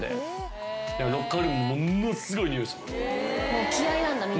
もう気合なんだみんな。